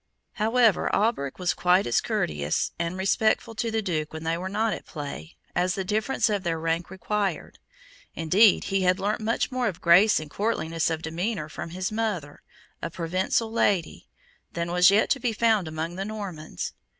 However, Alberic was quite as courteous and respectful to the Duke when they were not at play, as the difference of their rank required; indeed, he had learnt much more of grace and courtliness of demeanour from his mother, a Provencal lady, than was yet to be found among the Normans.